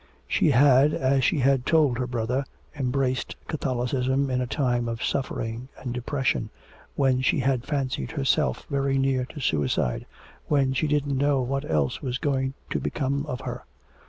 She had, as she had told her brother, embraced Catholicism in a time of suffering and depression, when she had fancied herself very near to suicide, when she didn't know what else was going to become of her.